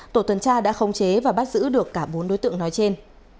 tổ tuần tra đã khống chế và bắt giữ được cả bốn đối tượng nói trên